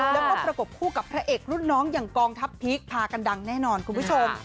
แล้วก็ประกบคู่กับพระเอกรุ่นน้องอย่างกองทัพพีคพากันดังแน่นอนคุณผู้ชม